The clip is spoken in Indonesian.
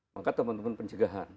maka teman teman pencegahan